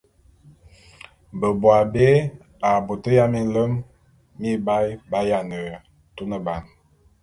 Beboabé a bôt ya minlem mibaé b’ayiane tuneban.